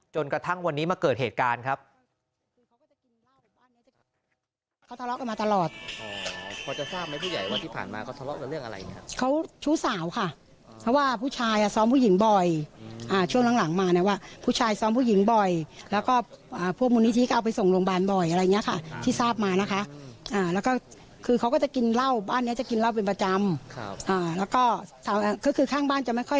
จนกระทั่งวันนี้มาเกิดเหตุการณ์ครับ